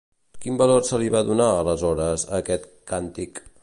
Quin valor se li va donar, aleshores, a aquest càntic?